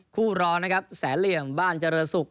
คู่ร้อนนะครับแสนเหลี่ยมบ้านเจรสุก